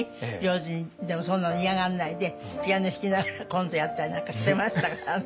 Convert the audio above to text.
でもそんなの嫌がんないでピアノ弾きながらコントやったりなんかしてましたからね。